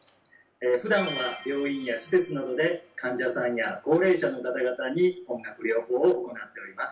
ふだんは病院や施設などで患者さんや高齢者の方々に音楽療法を行っております。